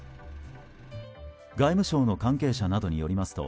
外務省の関係者などによりますと